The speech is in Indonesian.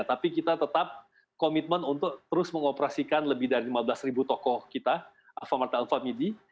tapi kita tetap komitmen untuk terus mengoperasikan lebih dari lima belas ribu tokoh kita alfamart alfamidi